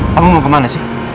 kamu mau ke mana sih